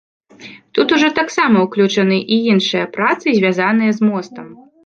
Тут ужо таксама ўключаны і іншыя працы, звязаныя з мостам.